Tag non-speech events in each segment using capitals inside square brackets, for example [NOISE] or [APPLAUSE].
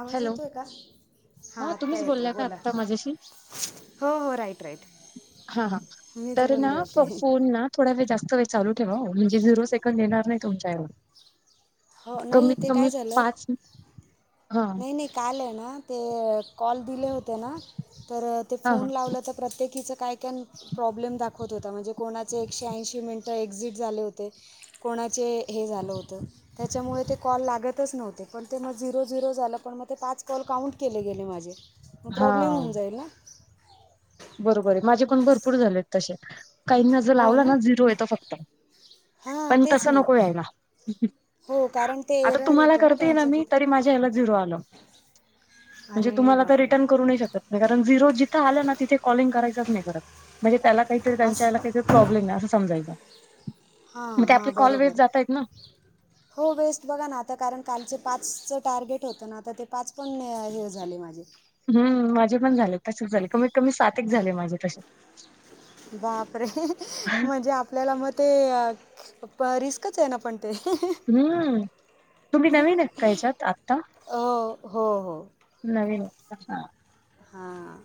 आवाज हॅलो येतोय का? हा आत्ता तुम्हीच येतोय. बोलला का बोला, आत्ता माझ्याशी हो हो राईट, राईट. हा हा, मीच तर ना, बोलले होते. फोन ना, थोडा वेळ जास्त चालू ठेवा म्हणजे झिरो सेकंदड येणार नाही तुमच्याव हो नाही कमीत ते कमी काय झालं पाच. हा नाही, नाही काल आहे ना, ते कॉल दिले होते ना, तर ते हा हा फोन लावलं, तर प्रत्येकीच काय, काय प्रॉब्लेम दाखवत होता. म्हणजे कोणाचे एकशे ऐंशी मिनटं एक्झिट झाले होते. कोण कोणाचे हे झालं होतं, त्याच्यामुळे ते कॉल लागतच नव्हते, पण ते मग झिरो झिरो झालं, पण मग ते पाच कॉल काउंट केले गेले माझे. मग प्रॉब्लेम हा. होऊन जाईल ना? बरोबर आहे. माझे पण भरपूर झालेत तसे, काहीनी जे लावलं ना, झिरो येत फक्त. हां पण तेच तस ना नको यायला. हो कारण ते आता एरर तुम्हाला येतो करते ना त्यांच्या मी, तिथे. तरी माझ्या ह्याला झिरो आलो. म्हणजे अरे तुम्हाला आता बापरे रिटर्न करू नाही शकत नाही मी, कारण झिरो जिथं आलं ना, तिथे कॉलिंग करायचं नाही परत. म्हणजे त्याला काहीतरी त्यांच्या ह्याला असं काही प्रॉब्लेम हाय अस समजायचं हा मग ते हा आपले कॉल वेस्ट बरोबर. जातायत ना हो बेस्ट बघा ना आता, कारण कालचे पाच चं टार्गेट होतं ना, आता ते पाच पण हे झाले माझे हम्. माझे पण झाले, तसेच झाले, कमीत कमी सात ऐक झाले माझे तसे. बापरे, ! म्हणजे आपल्याला मग ते रिस्कच आहे ना, पण ते. हुं. तुम्ही नवीन अहात का ह्याच्यात? आता, हो हो हो नवीन हां.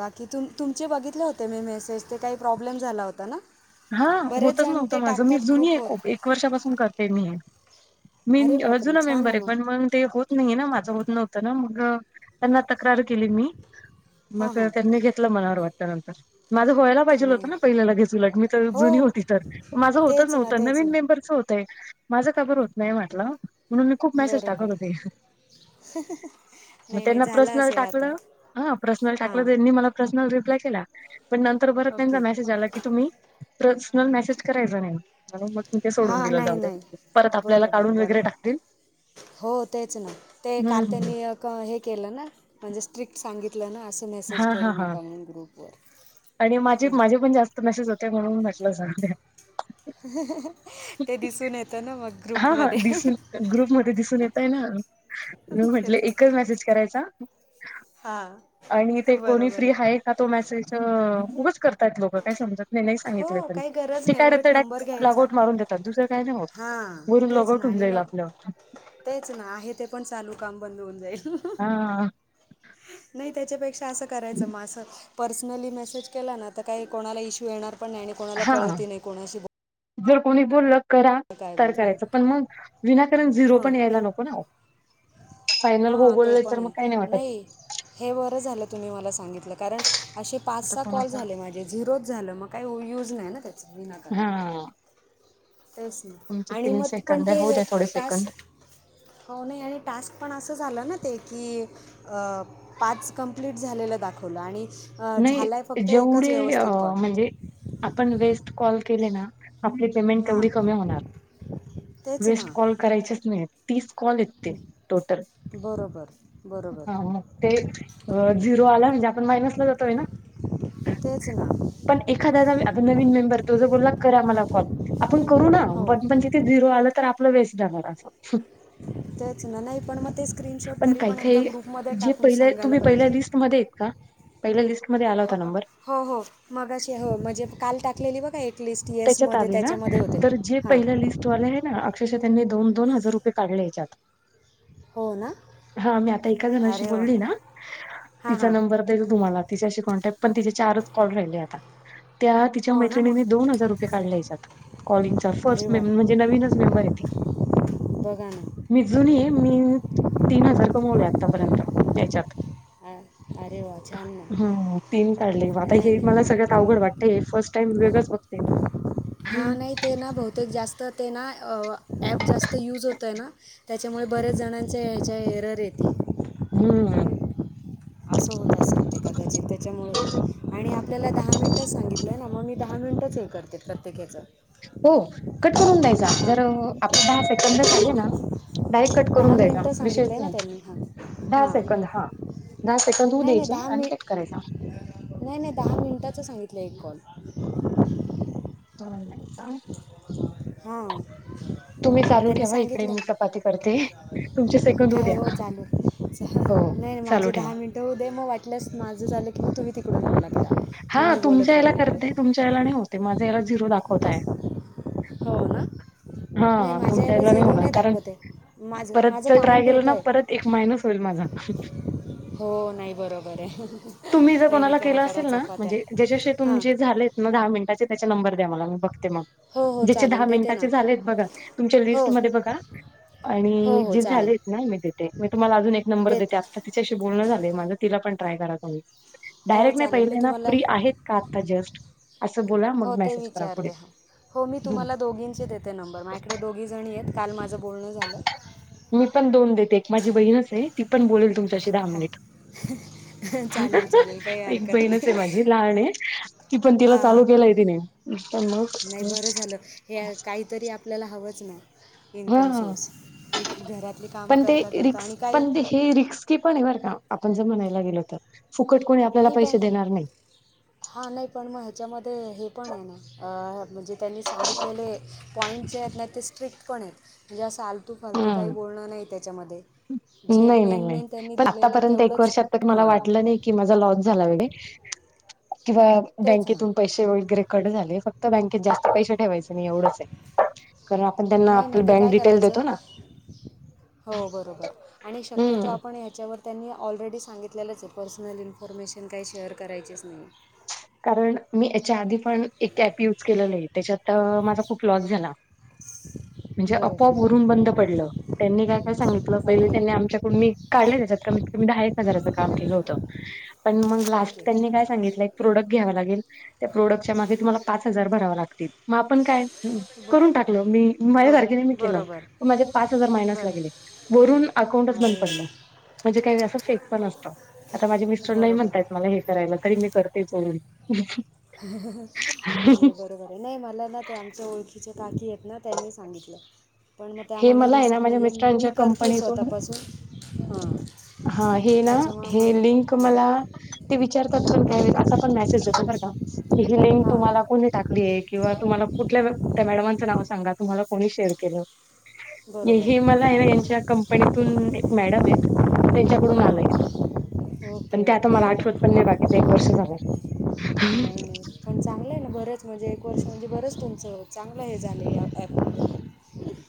बाकी तुम -तुमचे बघितले होते मी मेसेज, ते काही प्रॉब्लेम झाला होता ना? हा बरेच होतच जण ते नव्हतं माझं. मी टाकतात जुनी आहे ग्रुपवर. खूप. एक वर्षापासून करते मी हे. मी अरे अ बापरे जुना छान ना मेंबर आहे. पण मग ते होत नाही ना माझं होत नव्हतं ना मग त्यांना तक्रार केली मी. हां मग हां त्यांनी घेतलं मनावर वाटत नंतर. माझं व्हायला पाहिजल नाही होतं ना, पहिलं लगेच उलट मी तर जुनी हो होती तर माझं होतच तेच ना नव्हतं, तेच ना नवीन मेंबर चं होत तय माझ का बरं होत नाही म्हटलं, म्हणून मी खूप मेसेज बरोबर टाकत होते. मग नाही नाही त्यांना झालं प्रसनल असेल आता टाकलं, ह प्रसनल हां टाकलं त्यांनी मला प्रसनल रिप रिप्लाय केला. पण नंतर परत त्यांचा ओके मेसेज आला की तुम्ही प्रसनल मेसेज करायचा नाही, म्हणून मग ते सोडून हां दिलं. नाही जाऊ नाही दया. परत आपल्याला बरोबर काढून वगैरे बरोबर टाकतील. हो तेच ना, ते हम्म काल हम्म. त्यांनी हे केलं ना, म्हणजे स्ट्रिक्ट सांगितलं ना - हा हा हा आणि माझे, माझे पण जास्त मॅसेज होते म्हणून [UNINTELLIGIBLE] ते दिसून येतं ना मग हा हा ग्रुपमध्ये दिसून ग्रुपमध्येध्ये दिसून येतय ना आ्ही म्हटलं तेच एकच ना मेसेज करायचा आणि ते हां कोणी बरोबर फ्री आहे का तो मेसेज उगंच करतायत लोक काय समजत मी नाही सांगितलं हो तरी काही गरज ते नाही उलट कायडतड नंबर घ्यायचा लागवट मारून देतात दुसरं काय नाही होत हां वरून तेच लॉगआउट ना होऊन आणि जाईल लव आपलं तेच ना आहे ते पण चालू काम बंद होऊन जाईल हा नाही त्याच्यापेक्षा असं करायचं मासं पर्सनली मेसेज केला ना तर काही कोणाला इश्यू येणार पण नाही आणि कोणाला हा कळत नाही कोणाशी बोल जर कोणी बोलल करा काय तर बोल करायचं पण मग विनाकारण झिरो हां पण यायला नको ना फायनल हां ते होगोलले पण तर मग काही नाही आहे वाटत हे बरं झालं तुम्ही मला सांगितलं कारण असे पाच आता सहा कॉल कोणाचा झाले माझे झिरो झालं मग का तो युज नाही ना त्याच विनाकारण हा तरच नाही तुमचे आणि तीन मग पण सेकंद आहे, होऊ ते द्या थोडे तास सेकंद हो नाही आणि टास्क पण असं झालं ना ते की पाच कंप्लीट झालेलं दाखवलं आणि अ, झाला आहे नाही फक्त एकच जेवढे व्यवस्थित कॉल म्हणजे आपण वेस्ट कॉल केले ना आपली पेमेंट हां तेवढी कमी होणार तेच वेस्ट ना कॉल करायचीच नाही तीस कॉल येते टोटल बरोबर बरोबर हा मग ते झिरो आला म्हणजे आपण मायनसला जातोय ना तेच ना पण एखादा [UNINTELLIGIBLE] अजून नवीन मेंबर तो ज बोलला करा मला कॉल आपण करू ना हो पण पणच ते झिरो आलं तर आपलं वेस्ट झाणार असं त्याच ना नाही पण म पण काही काही जे पहि सांगायला तुम्ही पहिल्या पाहिजे लिस्टमध्ये का पहिल्या लिस्ट हो हो मगाशी हो म्हणजे काल टाकलेली बघा ऐक त्याच्यात आले ना तर जे हां पहिल्या लिस्टवाले आहे ना अक्ष [UNINTELLIGIBLE] त्यांनी दोन दोन हजार रुपये काढले याच्यात हो ना हा मी आता एका जणाशी अरे वा बोलली ना हां तिचा हां नंबर देल तुम्हाला तिच्याशी कॉन पण तेजे चारच कॉल राहिलय आता त्या तिच्या हो ना मैत्रिणींनी मग दोन हजार म्हण ननचेंर [UNINTELLIGIBLE] कॉलिंग चा अरे फर्स्ट वा मेम म्हणजे नवीनच मेंबर ती बघा ना मी जुून आहे [UNINTELLIGIBLE] मी तीन हजार कमवले आतापर्यंत याच्यात े [INAUDIBLE] हम तीन काढले आता नाही हे मला नाही सगळ्यात अवघड वाटतय फर्स्ट टाइम वेगळच बघ हा नाही ते ना बहुतेक जास्त ते ना अ अँप जास्त तर यूज होतय ना त्याच्यामुळे बऱ्याच जणांच्या ह्याच्या एरर येते हम्म असं होत सांगते कदाचित त्याच्यामुळे आणि आपल्याला दहा मिनिटच सांगितलंय ना मग मी दहा मिनिट हे करते [UNINTELLIGIBLE] प्रत्यकाच हो कट करून द्यायचा जर आपण दहा सेकंद जाले ना डाई कट दहा करून द्यायचा मिनटं विशेष सांगितलं आहे ना नाही त्यांनी हां दहा हां सेकंद हा दहा सेकंद होऊ नाही नाही द्यायचे दहा मिन आणि कट करायचा नाही नाही दहा मिनिटाच सांगितलंय एक कॉल हं [UNINTELLIGIBLE] हा तुम्ही चालू ठेवा इकडे मी चपाती करते तुमचे सेकध होऊ काय हो दया चालू हो नाही नाही चालू माझे ठेवा दहा मिनट होऊ दे मग वाटलंच माझं झालं की तुम्ही [UNINTELLIGIBLE] लागता मग हा मी बोलत तुमच्या याला राहील करते इकडे तुमच्या याला नाही होतय माझ झरो झिरो दाखवताय हो ना नाही हा माझ्या याला तुमच्याला नाही झिरो होणार कारण दाखवते माझं परत माझं जर ट्राय काउंट केलं होतं ना आहे परत एक माहिनस होईल माझा. हो नाही बरोबर आहे तुम्ही जर नाही नाही कोणाला करा केलं करा असेल ना चपात म्हणजे ज्याच्याशी तुमचे झालेत ना दहा मिनिटाचे त्याच्या नंबर द्या मला म. हो हो ज्याचे दहा चालेल देते ना मिनिटांचे झालेत बगा तुमच्या हो लीस्ट मध्ये बगा. हो आणि हो जे झालेत चालेल ना मी देते मी तुम्हाला अजून एक नंबर देत देते आत्ता तिच्याशी बोलणं झालं माझं तिला पण.. ट्राय करा तुम्ही. हो डायरेक्ट नाही चालेल मी पहिले ना तुम्हाला.. फ्री आहेत का आता जस्ट अस बोला हो मग ते मेसेज करा पुढे. विचारते हां हो मी हं. तुम्हाला दोघींचे देते नंबर माझ इकडे दोघी जणी आहेत काल माझ मी पण दोन देते एक माझी बहीणच आहे ती पण बोल तुम तशी दहा मिनिट. हम [UNINTELLIGIBLE] एक बहीणच आहे माझी लहान आहे ती पण तिला हां हां चालू केलाय तिने. पण नाही मग बरं झालं हे काहीतरी आपल्याला हवंच नाही इन्कम हा सोर्स एक घरातली कामं पण ते करता करता रिक्स आणि काय पण ते हे रिक्स्की पण आहे बर का आपण.. [UNINTELLIGIBLE] म्हणायला गेलो तर. फुकट कोणी आपल्याला नाही पैसे पण देणार नाही हा नाही पण मग ह्याच्यामध्ये हे पण आहे ना म्हणजे त्यांनी सांगितलेले पॉईंट जे आहेत ना ते स्ट्रिक्ट पण आहेत म्हणजे असं अल् तू फालतू काही बोलणं नाही त्याच्यामध्ये. जे नाहीं, नाहीं, मेन नाहीं. मेन त्यांनी दिलेलं आहे आतापर्यंत एक तेवढंच वर्षात मला हां वाटलं नाहीं कीं माझं लग्न झालं... [UNINTELLIGIBLE] किंवा तेच ना बँकेतून पैसे वैगरे कड झाले फक्त बँकेत जास्त पैसे ठेवायचे नाही एवढंच आहे. कारण आपण त्यांना नाही आपली नाही ते बँक काय डिटेल करायचं देतो ना हो बरोबर. आणि शक्यतो हम्म आपण ह्याच्या व त्यांनी ऑलरेडी सांगितलेलंच आहे पर्सनल इन्फॉर्मेशन काही शेअर करायचीच नाही. कारण मी याच्या आधी पण एक प युज केलेलं आहे त्याच्यात माझा खूप लॉस झाला. म्हणजे आपोआप बरोबर उरून बंद पडलं. त्यांनी काय काय सांगितलं पहिले त्यांनी अरे आमच्याकडून मी काढले त्याच्याात कमीत कमी दहा एक हजाराचं काम केलं होत. पण मग लास्ट ओके त्यांनी काय सांगितलंय? प्रोडक्ट घ्यावा लागेल त्या प्रोडक्टच्या मागे तुम्हाला पाच हजार भरावा लागतील मग आपण काय ब ाक म माझ्या बरं सारखेने मी केलं बरोबर प माझ्या पाच हजार मायनस बरं लागले वरून अकाउंटच बंद अरे पडल. म्हणजे काही वेळ असं फेक पण असतो आता माझे मिस्टर नाही बरोबर म्हणतत मला हे.. करायला तरी मी करतेच. नाही नाही बरोबर आहे नाही मला ना ते आमच्या ओळखीचे... काकी येतना त्यांनी सांगितलं. पण मग हे त्यामुळे मला आहे ना रिस्क माझ्या नाहीये मी मिस्टरांच्या करतेय कंपनीतून स्वतःपासून.. हां हा हे ना त्याच्यामुळे हे लिंक मग मला हां ते विचारत असण मेसेज होतो का ही लिंक हां तुम्हाला कोणी टाकली आहे किंवा तुम्हाला कुठल्या त्या मॅडमचं नाव सांगा तुम्हाला कोणी शेअर केलं हे बरोबर मला आहे ना यांच्या कंपनी ून एक मॅडम आहे त्यांच्याकडून हां आलय. हां पण ओके ते आता मला ओके आठवत पण नाही बाकीच एक वर्ष झालंय. नाही नाही पण चांगलं आहे ना बरेच म्हणजे एक वर्ष म्हणजे बरंच तुमचं चांगलं हे झालं या प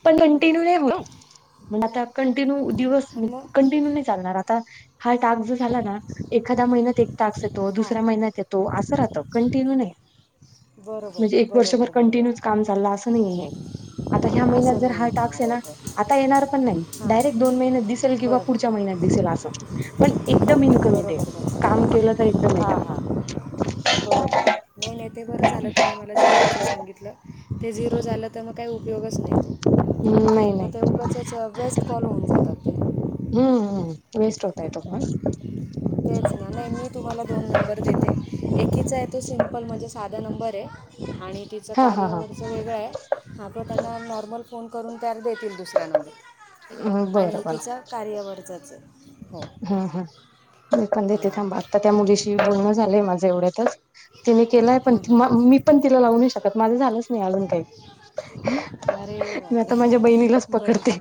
पण कंटिन्यू नाही म्ह आता कंटिन्यू.. दिवस हां मग कंटिन्यू नाही चालणार आता हा टास्क जो झाला ना एखाद्या महिन्यात तास येतो हां दुसऱ्या महिन्यात येतो असं राहतो कंटिन्यू नाही. बरोबर म्हणजे एक वर्षभर बरोबर कंटिन्यू बरोबर काम चाल असं नाही आहे आता हे असं नाही महिन्यात हां राईट राईट हाता येणार पण नाही हां डायरेक्ट दोन महिन्यात दिसेल किंवा पुढच्या बरोबर महि्यात दिल अस पण एकदम इनकम येते बरोबर काम [INAUDIBLE] बरोबर हां हां बरोबर नाही नाही ते बरं झालं तुम्ही मला झिरोचं सांगितलं ते झिरो झालं तर मग काही उपयोगच नाही. हम्म, नाही मग नाही त्यापचच बेस्ट कॉल होऊन जातात. हम्म वेस्ट होतय तो कॉल. तेच ना नाही मी तुम्हाला दोन नंबर देते एकीचा आहे, तो सिमपल म्हणजे साधा नंबर आहे आणि तिचं हा हा हा कार्यवरचं वेगळं आहे, नाटो त्यांना नॉर्मल फोन करून त्यार देतील दुसरा नंबर. हम्म, आणि बरं बरं एकीच्या कार्यावरचाच. हो हम् हम मी पण देते हां थांबा आता त्या मुलीशी बोलणं झालंय माझं एवढ्यातच. तिने केलाय पण हां हां हां मी पण तिला लावूनही शकत माझं झालंच नाही अलून काही. अरे मी आता माझ्या बापरे बहिणीलाच बरं पकडते.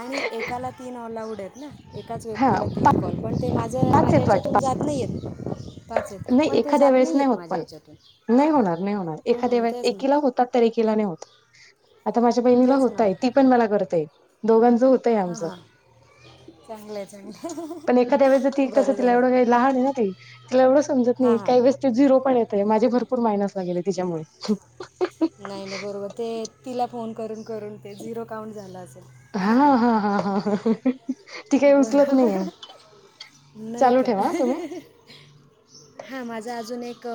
आणि एकाला तीन ऑ ला उडेत ना एकाच हा व्यक्तीला तीन कॉल पण ते मा ज पाच माझ्या आहेत वाट ह्याच्यातून पाच जात नाहीयेत पाच आहेत, नाही पण ते एखाद्या जात वेळेस नाही नाहीयेत होत माझ्या पण ह्याच्यातून. नाही होणार नाही होणार एखाद्या हम्म, वेळेस तेच ना एकीला होतात, तर एकीला नाही होत. आता माझ्या बहिणीला तेच ना होतय ती पण मला करतेय दोघांच होत. हा हा चांगलं चांगलं ह्या ह्या अ. तसं तला एवं काही लहान आहे, ना ती तिला एवढं समजत नाही हां हां काही वेस ते झिरो पण येते माझे भरपूर मायनस गेले त्याच्यामुळे. नाही नाही बरोबर ते तिला फोन करून करून ते झिरो काउंट झाला असेल. हा हा हा हा ह हं. बघ नाही चालू का? ठेवा हा तुम्ही हा माझा अजून एक.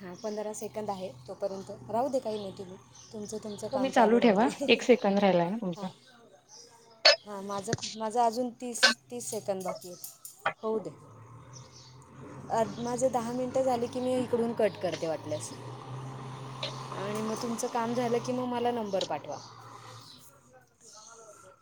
हां पंधरा सेकंद आहे, तोपर्यंत राहू दे काही नाही [UNINTELLIGIBLE] तुमचं तुमचं काम तुम्ही चालू राहू दे ठेवा ह्या एक सेकंद राहिलाय ना तुमचा ह्या हा. हां माझं माझं अजून तीस तीस सेकंद बाकी य होऊ दे. अ माझे दहा मिनिटं झाली की मी इकडून कट करते वाटल्यास. आणि मग तुमचं काम झालं की, मग मला नंबर पाठवा. [INAUDIBLE]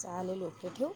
चालेल ओके ठेवू?